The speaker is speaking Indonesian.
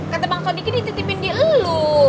kata bang sodiki dititipin di elu